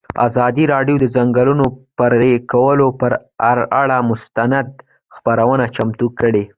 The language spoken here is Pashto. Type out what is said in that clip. ازادي راډیو د د ځنګلونو پرېکول پر اړه مستند خپرونه چمتو کړې.